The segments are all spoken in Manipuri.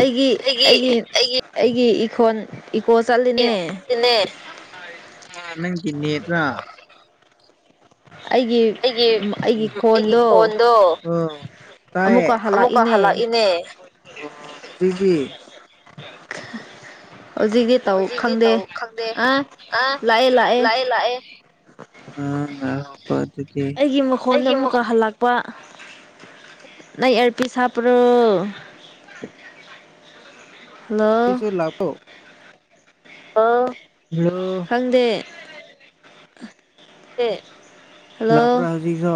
ꯑꯩꯒꯤ ꯑꯩꯒꯤ ꯑꯩꯒꯤ ꯏꯈꯣꯟꯜ ꯅꯪꯒꯤꯅꯦꯔ ꯑꯩꯒꯤ ꯑꯩꯒꯤ ꯈꯣꯟꯗꯣ ꯇꯌꯦ ꯑꯃꯨꯛꯀ ꯍꯜꯂꯛꯏꯅꯦꯒꯤ ꯍꯧꯖꯤꯛꯇꯤ ꯇꯧ ꯍꯧꯖꯤꯛꯇꯤ ꯈꯪꯗꯦ ꯇꯧ ꯈꯪꯗꯦ ꯑ ꯂꯥꯛꯑꯦ ꯂꯥꯛꯑꯦ ꯎꯝ ꯑꯩꯒꯤ ꯃꯈꯣꯟꯗ ꯑꯃꯨꯛꯀ ꯍꯜꯂꯛꯄ ꯅ ꯑꯔꯄꯤꯁ ꯍꯥꯄꯔꯣ ꯂꯣ ꯑꯥ [unintelligible] ꯈꯪꯗꯦ ꯍꯜꯂꯣ ꯂꯥꯛꯄꯥ ꯍꯧꯖꯤ ꯆꯣ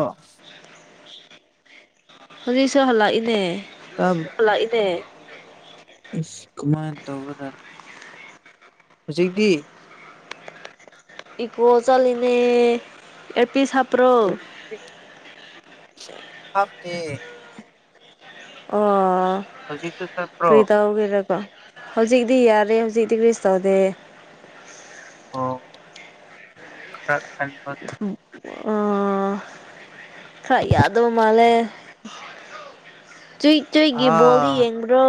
ꯍꯧꯖꯤꯛꯁꯨ ꯍꯜꯂꯛꯏꯅꯦ ꯏ ꯀꯃꯥꯏ ꯇꯅꯤ ꯍꯧꯖꯤꯛꯀꯤ ꯏꯀꯣ ꯆꯂꯤꯅꯦ ꯑꯦꯄꯤ ꯁꯥꯄ꯭ꯔꯣ ꯍꯥꯞꯇꯦ ꯑꯣ ꯍꯧꯖꯤꯛꯁꯨ ꯆꯠꯄ꯭ꯔꯣ ꯀꯔꯤ ꯇꯧꯒꯦꯔꯀꯣ ꯍꯧꯖꯤꯛꯇꯤ ꯌꯥꯔꯦ ꯍꯧꯖꯤꯛꯇꯛꯇꯤ ꯀꯔꯤꯁ ꯇꯧꯗꯦ ꯑꯣ ꯈꯔ ꯑꯕ ꯑ ꯈꯥꯏ ꯌꯥꯗꯣ ꯃꯥꯂꯦ ꯆꯤ ꯆꯛꯒꯤ ꯕꯣꯜꯂꯤ ꯑꯥ ꯌꯦꯡꯕ꯭ꯔꯣ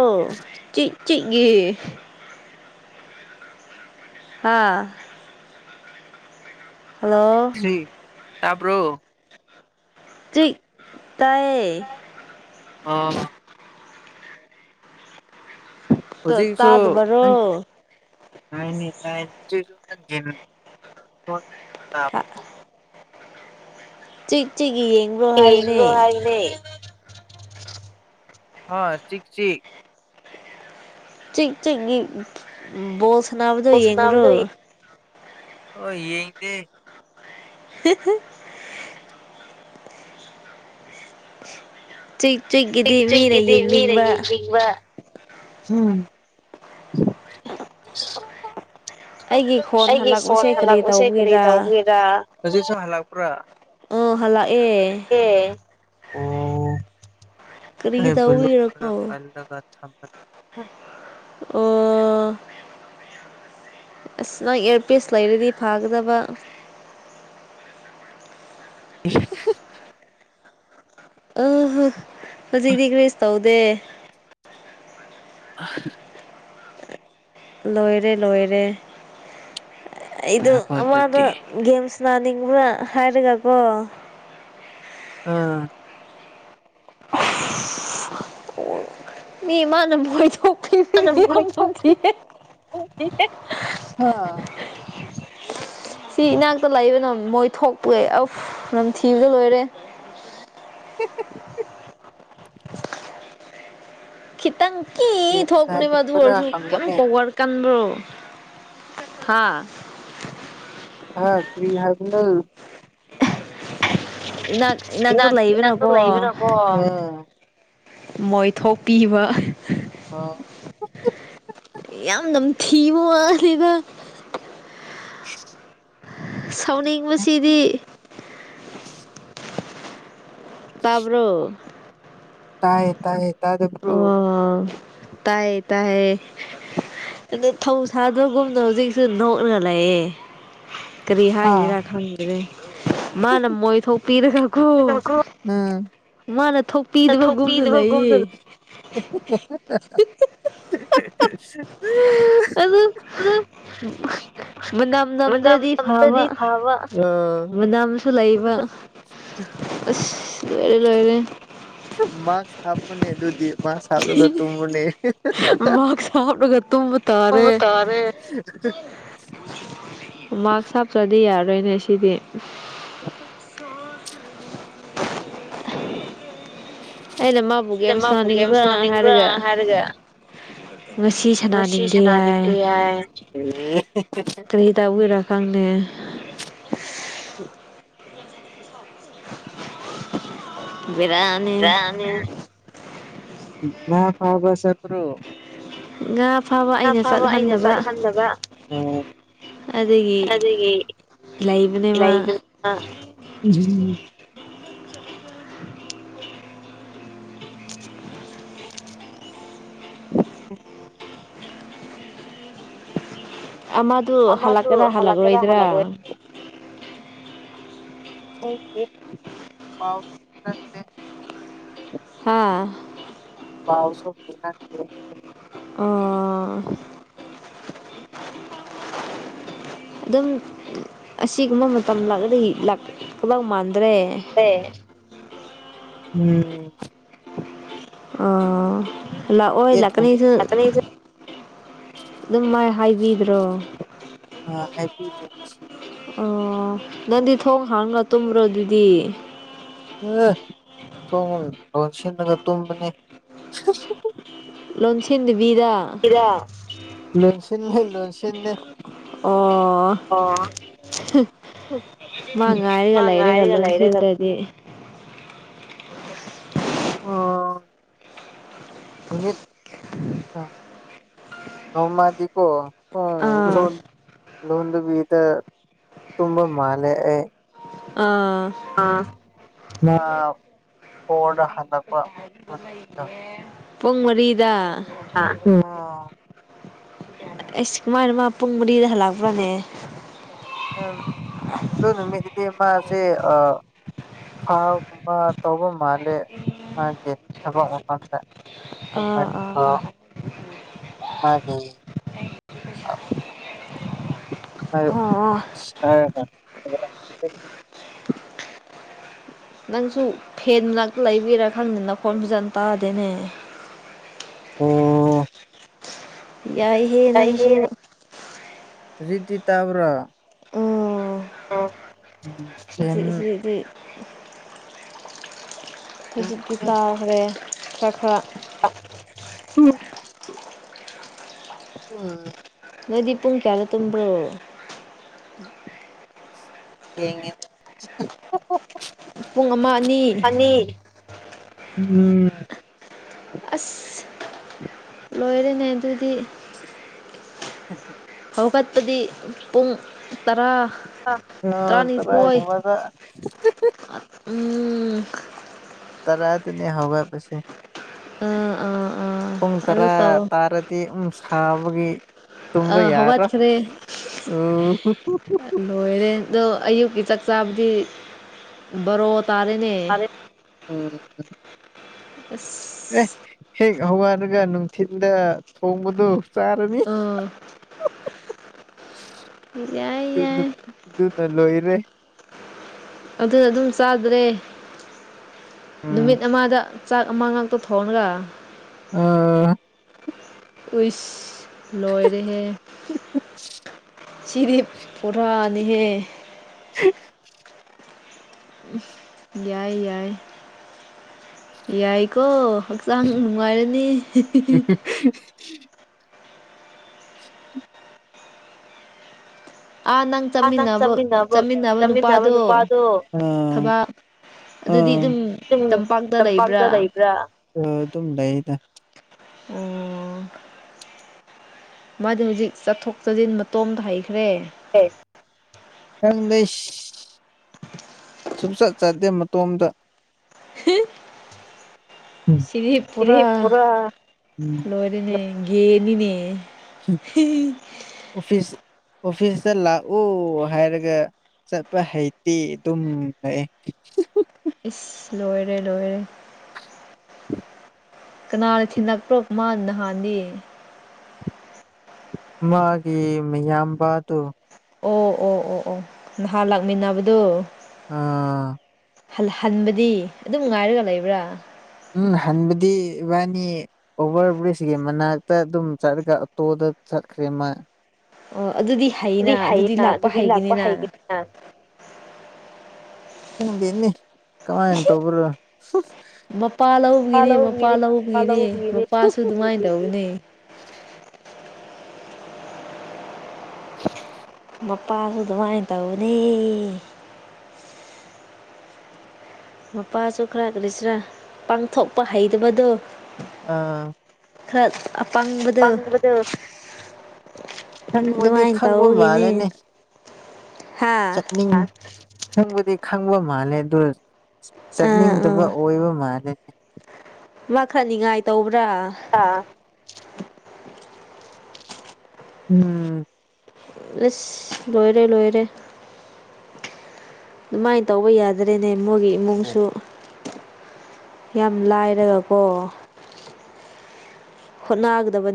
ꯆꯠ ꯆꯠꯒꯤ ꯍꯥꯥ ꯍꯜꯂꯣ ꯇꯕ꯭ꯔꯣ ꯆ ꯇꯑꯌꯦ ꯑꯥ ꯇ ꯍꯧꯖꯤꯛꯁꯨ ꯇꯥꯗꯕꯔꯣ ꯀꯅꯦ ꯇꯥꯏꯪ ꯊ ꯍ ꯁꯤꯁꯤ ꯆꯠ ꯆ ꯣ ꯁꯅꯥꯕꯗ ꯌꯦꯡꯉ꯭ꯔꯣ ꯑꯣ ꯌꯦꯡꯗꯦ [inaudible] ꯆꯨꯏ ꯆꯛ ꯆꯨꯏꯒꯤꯗꯤ ꯃꯤꯅ ꯆꯛꯀꯤꯗꯤ ꯌꯦꯡꯅꯤꯡꯕ ꯃꯤꯔꯌꯦ ꯀꯤꯛꯕ ꯎꯝ ꯑꯩꯒꯤ ꯈꯣꯟ ꯑꯩꯒꯤ ꯐꯣꯟ ꯍꯜꯂꯛꯄꯁꯦ ꯀꯔꯤ ꯍꯜꯂꯛꯎꯁꯦ ꯀꯔꯤ ꯇꯧꯕꯒꯤꯔꯥ ꯇꯧꯒꯔꯄ꯭ꯔ ꯑꯥ ꯍꯜꯂꯛꯑꯦ ꯑꯣ ꯀꯔꯤ ꯑꯩꯂ ꯈꯔ ꯇꯧꯕꯒꯤꯔꯀꯣ ꯀꯜꯂ ꯊꯃ ꯑꯣ ꯑꯁ ꯅꯪ ꯏꯌꯥꯔꯄꯤꯦꯁ ꯂꯩꯔꯗꯤ ꯐꯥꯒꯗꯕ [inaudible] ꯑ ꯍꯧꯖꯤꯛꯇꯤ ꯀ꯭ꯔꯦꯁ ꯇꯧꯗꯦ ꯑ ꯂꯣꯏꯔꯦ ꯂꯣꯏꯔꯦ ꯑꯩꯗ ꯉꯥꯏꯈꯣ ꯑꯗꯨꯗꯤ ꯑꯃꯗꯦꯝꯁ ꯅꯥꯅꯤꯡꯕ꯭ꯔꯥ ꯍꯥꯏꯔꯒꯀꯣ ꯑꯥ ꯃꯤꯃꯅꯃꯣꯏꯗ [inaudible] [inaudible] ꯅꯪꯅ ꯃꯈꯣꯟ ꯊꯣꯛꯇꯦ꯫ ꯍꯥ ꯁꯤ ꯏꯅꯥꯛꯇ ꯂꯩꯕꯅ ꯃꯣꯏ ꯊꯣꯛꯄ ꯑꯐ ꯅꯝ ꯊꯤꯕꯗ ꯂꯣꯏꯔꯦ ꯈꯤꯇꯪ ꯏ ꯒꯦꯝ ꯊꯣ ꯀꯅꯦꯕꯗꯨ ꯁꯥꯟꯅꯅꯤꯡꯕ꯭ꯔꯥ ꯑꯣꯏꯔꯁꯨ ꯀꯃ ꯍꯪꯉꯨꯅꯦ ꯄꯒꯔ ꯀꯥꯟꯕ꯭ꯔꯣ ꯍꯥꯥ ꯍꯥ ꯀ꯭ꯔꯤ ꯍꯥꯏꯕꯅꯣ ꯏꯅꯥꯛ ꯏꯅꯥꯛꯇ ꯏꯅꯥꯛ ꯏꯅꯥꯛꯇ ꯂꯩꯕꯅꯀꯣ ꯂꯩꯕꯅꯀꯣ ꯃꯣꯏ ꯊꯣꯛꯣꯛꯄꯤꯕ ꯑ ꯌꯥꯝ ꯅꯝꯊꯤꯕ ꯋꯥꯁꯤꯗ [inaudible] [inaudible] ꯁꯥꯎꯅꯤꯡꯕꯁꯤꯗꯤ ꯇꯥꯕ꯭ꯔꯣ ꯇꯥꯏ ꯇꯥꯏ ꯇꯥꯗꯨꯕ꯭ꯔꯣ ꯑꯣ ꯇꯥꯏꯌꯦ ꯇꯥꯏꯌꯦ ꯑꯗ ꯊꯧ ꯁꯥꯗꯕꯒꯨꯝꯅ ꯍꯧꯖꯤꯛꯁꯨ ꯅꯣꯛꯅ ꯂꯩꯑꯦ ꯀꯔꯤ ꯍꯥ ꯍꯥꯏꯖꯤꯔꯥ ꯈꯪꯗꯔꯦ ꯃꯥꯅ ꯃꯣꯏ ꯊꯣꯛꯄꯤꯔꯒ ꯀꯣ ꯎꯝ ꯃꯥꯅ ꯊꯣꯛꯄꯤꯗꯕꯒꯨꯝꯗ ꯂꯩꯌꯦ ꯊꯣꯛꯄꯤꯗꯕꯒꯨꯝꯅ [inaudible] [inaudible] [inaudible] ꯑꯗꯨ ꯃꯅꯝ ꯃꯅꯝ ꯅꯝꯗ꯭ꯔꯗꯤ ꯐꯕ ꯅꯝꯗ꯭ꯔꯗꯤ ꯐꯕ ꯃꯅꯝꯁꯨ ꯂꯩꯕ ꯑꯁ ꯂꯣꯏꯔꯦ ꯂꯣꯏꯔꯦ ꯃꯥꯛꯁꯥ ꯍꯥꯄꯅꯦ ꯑꯗꯨꯗꯨꯗꯤ ꯃꯥꯁ ꯍꯥꯞꯂꯒ ꯇꯨꯝꯃꯨꯅꯦ ꯃꯥꯛꯁ ꯍꯥꯞꯂꯒ ꯇꯨꯝꯕ ꯇꯥꯔꯦ ꯇꯥꯔꯦ [unintelligible] ꯃꯥꯛꯁ ꯍꯥꯞꯇꯥꯔꯥꯗꯤ ꯌꯥꯔꯣꯏꯅꯦ ꯁꯤꯗꯤ ꯑꯩꯅ ꯃꯥꯕꯨ ꯑꯩꯅ ꯒꯦꯝ ꯃꯥꯕꯨ ꯒꯦꯝ ꯁꯥꯅꯤꯡꯕ꯭ꯔꯥ ꯁꯥꯟꯅꯅꯤꯡꯕ꯭ꯔꯥ ꯍꯥꯏꯔꯒ ꯍꯥꯏꯔꯒ ꯉꯁꯤ ꯉꯁꯤ ꯁꯅꯥꯅꯤꯡꯗꯦ ꯍꯥꯏ ꯁꯥꯟꯅꯅꯤꯡꯗꯦ ꯍꯥꯏ ꯀꯔꯤꯗꯕꯨꯏꯔ ꯐꯪꯅ ꯕꯤꯔꯅꯤ ꯉ ꯐꯥꯕꯁꯠꯇꯄꯥꯔꯣ ꯉꯥ ꯐꯥꯕ ꯑꯩꯅ ꯆꯠꯍꯟꯗꯕ ꯆꯠꯍꯟꯗꯕ ꯑꯗꯒꯤ ꯑꯗꯨꯒꯤ ꯂꯩꯕꯅꯦꯃ ꯂꯩꯕꯅ [inaudible] [inaudible] ꯑꯃꯗꯨ ꯑꯃꯗꯨ ꯍꯜꯂꯛꯀꯗꯥ ꯍꯜꯂꯛꯀꯦꯔꯥ ꯍꯜꯂꯛꯔꯣꯏꯗ꯭ꯔꯥ ꯍꯜꯂꯛꯑꯣꯏ [unintelligible] [unintelligible] [unintelligible] [inaudible] ꯍꯥꯥ ꯄꯥꯎꯁꯁꯨ ꯀꯪꯍꯟꯗꯦ ꯑꯣ ꯑꯗꯨꯝ ꯑꯁꯤꯒꯨꯝꯕ ꯃꯇꯝ ꯂꯥꯛꯑꯗꯤ ꯄꯨꯂꯞ ꯃꯥꯟꯕ ꯇꯦ ꯑꯦ ꯎꯝ ꯎꯝ ꯂꯛꯑꯣꯏ ꯌꯦꯠꯀꯨꯝ ꯂꯀꯅꯤꯁꯨ ꯑ ꯑꯗꯨꯝꯃ ꯍꯥꯏꯗꯦ ꯑ ꯍꯥꯏꯕꯤꯗꯦ ꯑꯣ ꯅꯪꯗꯤ ꯊꯣꯡ ꯍꯥꯡꯅ ꯇꯨꯝꯕ꯭ꯔꯣ ꯑꯗꯨꯗꯤ ꯑꯦ ꯊꯣꯡ ꯂꯣꯟꯁꯤꯟꯂꯒ ꯇꯨꯝꯕꯅꯤ ꯂꯣꯟꯁꯤꯟꯗꯕꯤꯗ ꯂꯣꯟꯁꯤꯟꯅꯦ ꯂꯨꯣꯟꯁꯤꯟꯅꯦ ꯑꯣ ꯃꯥ ꯉꯥꯏꯔꯒ ꯃꯥ ꯂꯩꯔꯦꯒ ꯉꯥꯏꯔꯒ ꯂꯣꯏ ꯂꯩꯔꯒ ꯁꯤꯗꯗꯤ [inaudible] [inaudible] ꯎꯝ ꯅꯨꯃꯤꯠ ꯅꯧꯃꯗꯤ ꯀꯧ ꯑꯣ ꯂ ꯑꯥ ꯂꯣꯟꯗ ꯇ ꯇꯨꯝꯕ ꯃꯥꯂ ꯑꯥ ꯑ ꯍꯗ [unintelligible] ꯍꯜꯂꯄ [unintelligible] ꯄꯨꯡ ꯃꯔꯤꯗ ꯑꯣ [unintelligible] ꯑꯩꯁ ꯀꯃꯥꯏꯅ ꯃꯥ ꯄꯨꯡ ꯃꯔꯤꯗ ꯍꯜꯂꯛꯄ꯭ꯔꯥꯅꯦ ꯑꯗꯨ ꯅꯨꯃꯤꯠ ꯇꯥꯗꯤꯑꯃꯥꯁꯦ ꯑ ꯊꯥꯒꯨꯝꯕ ꯇꯧꯕ ꯃꯥꯂꯦ ꯃꯥꯒꯤ ꯊꯕꯛ ꯃꯐꯝꯗ [inaudible] ꯎꯝ ꯑꯥ ꯑꯥ ꯑꯥ ꯑꯣ ꯑꯣ [inaudible] ꯅꯪꯁꯨ ꯐꯦꯟ ꯉ ꯂꯩꯕꯤꯔꯥ ꯈꯪꯗꯦꯅ ꯐꯣꯟ ꯐꯖꯅ ꯇꯥꯗꯦꯅꯦ ꯑꯣ ꯌꯥꯏꯍꯦ ꯅꯪꯁꯨ ꯔꯔꯤꯗꯤ ꯇꯥꯎ꯭ꯔ ꯎꯝ ꯆꯦꯟ ꯍꯖꯤ ꯄꯇꯥꯦ ꯎꯝ ꯑ ꯅꯣꯏꯗꯤ ꯄꯨꯡ ꯀꯌꯥꯔꯣ ꯇꯨꯝꯝꯕ꯭ꯔꯣ ꯌꯦꯉ ꯄꯨꯡ ꯑꯃ ꯑꯅꯤ ꯎꯝ ꯑꯁ ꯂꯣꯏꯔꯅꯦ ꯑꯗꯨꯗꯤ [unintelligible] ꯍꯧꯈꯠꯄꯗꯤ ꯄꯨꯡ ꯇꯔꯥ ꯑ ꯇꯔꯥꯅꯤꯊꯣꯏ ꯇꯔꯒꯃꯗ ꯎꯝ ꯇꯔꯥꯏꯗꯤꯅꯤ ꯍꯧꯕ ꯄꯁ ꯑꯥ ꯑꯥ ꯑꯥ ꯄꯨꯡ ꯑꯗꯨ ꯇꯔꯥ ꯇꯧ ꯇꯥꯔꯗꯤ ꯑ ꯁꯥꯕꯒꯤ ꯑ ꯇꯨꯝꯕ ꯍꯕꯥꯠ ꯌꯥꯔꯣꯏ ꯈꯔꯦ ꯎꯝ ꯂꯣꯏꯔꯦꯗ ꯑꯨ ꯆꯥꯛꯆꯥꯕꯗꯤ ꯕꯔꯣꯊ ꯐꯔꯦ ꯎꯝ ꯑꯁ ꯑꯦ ꯍꯦꯛ ꯍꯋꯥꯔꯒ ꯅꯨꯡꯊꯤꯤꯟꯗ ꯊꯣꯡꯕꯗꯨ ꯆꯔꯅꯤꯁ ꯑꯥ ꯌꯥꯏ ꯌꯥꯏ ꯑꯗꯨꯅ ꯂꯣꯏꯔꯦ ꯑꯗꯨꯅ ꯑꯗꯨꯝ ꯆꯥꯗ꯭ꯔꯦ ꯎꯝ ꯅꯨꯃꯤꯠ ꯑꯃꯗ ꯆꯥꯛ ꯑꯃ ꯉꯥꯛꯇ ꯊꯣꯡꯒ ꯑ ꯍ ꯂꯣꯏꯣꯏꯗ ꯍꯦ ꯆꯔꯤꯞ ꯄꯣꯔꯥꯅꯤꯍꯦ [inaudible] ꯌꯥꯏ ꯌꯥꯏ ꯌꯥꯏ ꯀꯣ ꯍꯛꯆꯥꯡ ꯅꯨꯡꯉꯥꯏꯔꯅꯤ ꯎ ꯑꯥ ꯅꯪ ꯆꯠꯃꯤꯟꯅꯕ ꯆꯠꯃꯤꯟꯅꯕ ꯅꯨꯄꯥꯗꯣ ꯊꯕꯛ ꯑꯗꯨꯗꯤ ꯑꯗꯨꯝ ꯇꯝꯄꯥꯛꯇ ꯂꯩꯕ꯭ꯔꯥ ꯑꯥ ꯑꯗꯨꯝ ꯂꯩꯗ ꯎꯝ ꯃꯥꯗꯤ ꯍꯧꯖꯤꯛ ꯆꯠꯊꯣꯛ ꯆꯠꯁꯤꯟ ꯃꯇꯣꯝꯇ ꯍꯩꯈ꯭ꯔꯦ ꯪꯗꯦꯁ ꯁꯨꯡꯆꯠ ꯆꯥꯗꯦ ꯃꯇꯣꯝꯗ ꯍ ꯆꯅꯤ ꯏꯔꯤ ꯄꯨꯕ ꯄꯨꯔꯥ ꯎꯝ ꯂꯣꯏꯔꯦꯅꯦ ꯒꯦꯅꯤꯅꯦ ꯑꯣꯐꯤꯁ ꯑꯣꯐꯤꯁꯇ ꯂꯥꯛꯎ ꯍꯥꯏꯔꯒ ꯆꯠꯄ ꯍꯩꯇꯤ ꯑꯗꯨꯝ ꯂꯩ ꯏꯁ ꯂꯣꯏꯔꯦ ꯂꯣꯏꯔꯦ ꯀꯅꯥꯅ ꯊꯤꯟꯂꯛꯄ꯭ꯔꯣ ꯃꯥꯅ ꯅꯍꯥꯟꯅꯤ ꯃꯥꯒꯤ ꯃꯌꯥꯝꯕꯗꯨ ꯑꯣ ꯑꯣ ꯑꯣ ꯑꯣ ꯅꯍꯥꯟ ꯂꯥꯛꯃꯤꯟꯅꯕꯗꯨ ꯑꯥ ꯍꯟꯕꯗꯤ ꯑꯗꯨꯝ ꯉꯥꯏꯔꯒ ꯂꯩꯕ꯭ꯔꯥ ꯎꯝ ꯍꯟꯕꯗꯤ ꯏꯕꯥꯅꯤ ꯑꯣꯚꯔ ꯕ꯭ꯔꯤꯖꯀꯤ ꯃꯅꯥꯛꯇ ꯑꯗꯨꯝ ꯆꯠꯂꯒ ꯑꯣꯇꯣꯗ ꯁꯈ꯭ꯃ ꯑꯣ ꯑꯗꯨꯗꯤ ꯑꯗꯨꯗꯤ ꯍꯩꯅ ꯍ ꯑꯗꯨꯗꯤ ꯂꯥꯛꯄ ꯍꯩꯒꯅꯤꯅ ꯍꯒꯦꯅ ꯅꯤ ꯀꯃꯟ ꯇꯕ꯭ꯔ ꯃꯄꯥ ꯂꯧꯕꯒꯤꯅꯤ ꯃꯄꯥ ꯂꯧꯕꯒꯤꯅꯤ ꯃꯄꯥꯁꯨ ꯑꯗꯨꯃꯥꯏꯅ ꯇꯧꯅꯤ [inaudible] [inaudible] ꯃꯄꯥꯁꯨ ꯑꯗꯨꯃꯥꯏꯅ ꯇꯧꯅꯤ ꯃꯄꯥꯁꯨ ꯈꯔ ꯀꯔꯤꯁꯤꯔꯥ ꯄꯥꯡꯊꯣꯛꯄ ꯍꯩꯇꯕꯗꯣ ꯑꯥ ꯈꯔ ꯑꯄꯥꯪꯕꯗ ꯈꯪꯕꯗꯤ ꯑꯗꯨꯃꯥꯏꯅ ꯈꯪꯕ ꯇꯒꯤꯅꯦ ꯆꯠꯅꯤꯡꯉ ꯈꯪꯕꯗꯤ ꯈꯪꯕ ꯃꯥꯜꯂꯦ ꯑꯗꯨ ꯑꯥ ꯆꯠꯅꯤꯡꯗꯕ ꯑꯥ ꯑꯣꯏꯕ ꯃꯥꯜꯂꯦ ꯃꯥ ꯈꯔ ꯅꯤꯡꯉꯥꯏ ꯇꯧꯕ꯭ꯔꯥ ꯑꯥ ꯎꯝ ꯑꯦꯁ ꯂꯣꯏꯔꯦ ꯂꯣꯏꯔꯦ ꯑꯗꯨꯃꯥꯏꯅ ꯇꯧꯕ ꯌꯥꯗꯔꯦꯅꯦ ꯃꯣꯏꯒꯤ ꯏꯃꯨꯡꯁꯨ ꯌꯥꯝ ꯂꯥꯏꯔꯒꯀꯣ ꯍ ꯅꯥꯒꯗꯕ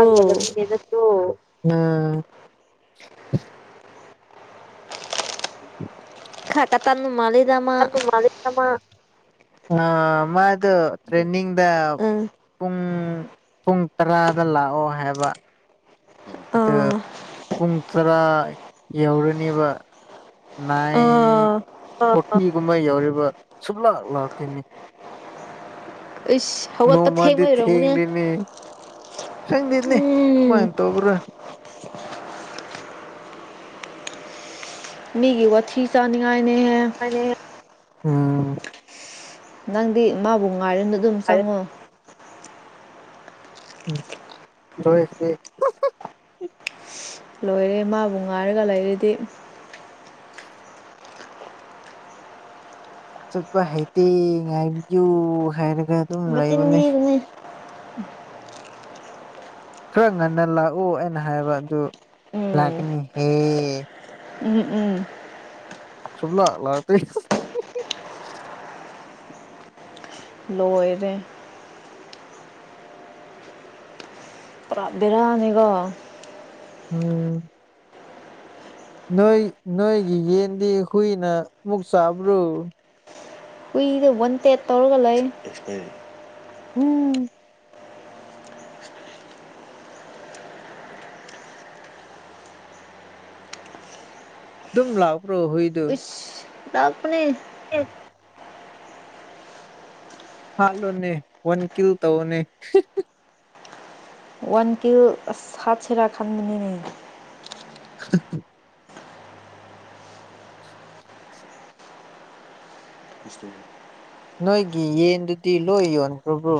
ꯑꯗꯨꯛꯇꯣ ꯎꯝ [inaudible] ꯈꯥꯇ ꯇꯅ ꯃꯥ ꯂꯩ [unintelligible] ꯇ꯭ꯔꯦꯟꯅꯤꯡꯗ ꯑꯥ ꯄꯨꯡ ꯄꯨꯡ ꯇꯔꯥꯗ ꯂꯥꯛꯑꯣ ꯍꯥꯏꯕ ꯑ ꯑꯥ ꯄꯨꯡ ꯇꯔꯥ ꯌꯧꯔꯅꯦꯕ ꯅꯥꯏꯟ ꯑꯥ ꯐꯣꯔꯇꯤꯒꯨꯝꯕ ꯌꯎꯔꯤꯕ ꯁꯨꯞꯂꯥꯛ ꯂꯥꯛꯇꯣꯏꯅꯤ ꯁ ꯍꯋꯥ ꯄꯊꯦ ꯃꯔꯎꯅꯦ ꯆꯪꯗꯗꯅꯤ ꯀꯃꯥꯏ ꯇꯣ ꯑꯣꯕ꯭ꯔ ꯃꯤꯒꯤ ꯋꯥ ꯊꯤ ꯆꯥꯅꯤ ꯏꯅꯦꯍ ꯍꯣꯏꯅꯦ. ꯎꯝ ꯅꯪꯗꯤ ꯃꯥꯕꯨ ꯉꯥꯏꯔꯤꯅ ꯑꯗꯨꯝ ꯆꯪꯉꯣ ꯎꯝ ꯂꯣꯏ ꯂꯣꯏꯔꯦ ꯃꯥꯕꯨ ꯉꯥꯏꯔꯒ ꯂꯩꯔꯗꯤ ꯆꯠꯄ ꯍꯩꯇꯦ ꯉꯥꯏꯕꯤꯌꯨ ꯍꯥꯏꯅ ꯃꯆꯤꯟꯊꯤꯕꯅꯦ ꯈꯔ ꯉꯟꯅ ꯂꯥꯛꯑꯣ ꯑꯩꯅ ꯍꯥꯏꯕ ꯑꯗꯨ ꯎꯝ ꯂꯥꯛꯀꯅꯤꯍꯦ ꯎꯝ ꯎꯝ ꯁꯕꯂꯥ ꯂꯇ ꯂꯣꯏꯔꯦ ꯄꯨꯔꯥꯕꯤꯔꯅꯤꯒꯣ ꯎꯝ ꯅꯣꯏ ꯅꯣꯏꯒꯤ ꯌꯦꯟꯗꯤ ꯍꯨꯏꯅ ꯃꯨꯛ ꯆꯥꯕ꯭ꯔꯨ ꯍꯨꯏꯗ ꯕꯟ ꯇꯦꯠ ꯇꯧꯔꯒ ꯂꯩ ꯎꯝ ꯑꯗꯨꯝ ꯂꯥꯎ ꯄ꯭ꯔꯣ ꯍꯏꯗꯨ ꯂꯄꯅꯤ ꯑꯦ ꯍꯠꯂꯣꯅꯦ ꯋꯥꯟ ꯀꯤꯜ ꯇꯧꯅꯦ ꯋꯥꯟ ꯀꯤꯟ ꯁꯥꯠ ꯁꯔꯥ ꯈꯥꯟꯗꯅꯤꯅꯦ [inaudible] ꯅꯣꯏꯒꯤ ꯌꯦꯟꯗꯨꯗꯤ ꯂꯣꯏ ꯌꯣꯟꯈ꯭ꯔꯕ꯭ꯔꯣ